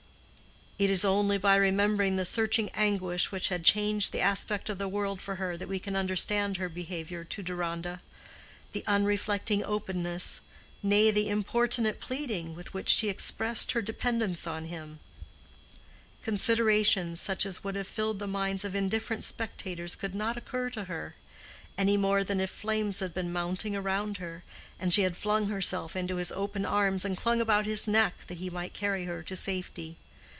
It is only by remembering the searching anguish which had changed the aspect of the world for her that we can understand her behavior to Deronda—the unreflecting openness, nay, the importunate pleading, with which she expressed her dependence on him. Considerations such as would have filled the minds of indifferent spectators could not occur to her, any more than if flames had been mounting around her, and she had flung herself into his open arms and clung about his neck that he might carry her into safety.